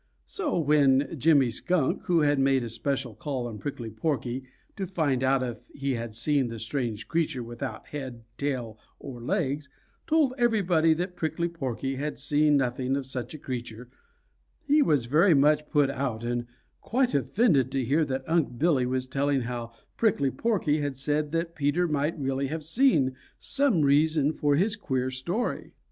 So when Jimmy Skunk, who had made a special call on Prickly Porky to find out if he had seen the strange creature without head, tail, or legs, told everybody that Prickly Porky had seen nothing of such a creature, he was very much put out and quite offended to hear that Unc' Billy was telling how Prickly Porky had said that Peter might really have some reason for his queer story.